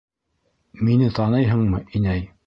- Мине таныйһыңмы, инәй?